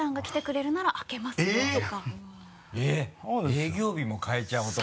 営業日も変えちゃう男？